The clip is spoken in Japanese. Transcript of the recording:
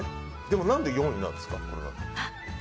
でも、何で４位なんですかこれが。